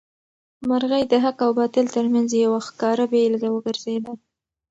مرغۍ د حق او باطل تر منځ یو ښکاره بېلګه وګرځېده.